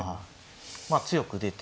まあ強く出て。